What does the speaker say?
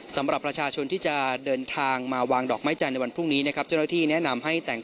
สวัสดิ์แสดงให้มีนิดหน้ากลาง